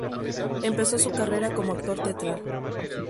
Empezó su carrera como actor teatral.